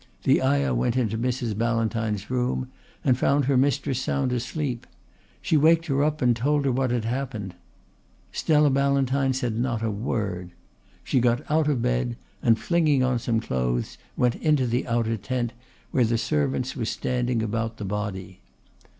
The ayah went into Mrs. Ballantyne's room and found her mistress sound asleep. She waked her up and told her what had happened. Stella Ballantyne said not a word. She got out of bed, and flinging on some clothes went into the outer tent, where the servants were standing about the body.